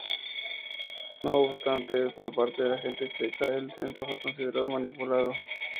No obstante, por parte de la gente checa, el censo fue considerado manipulado.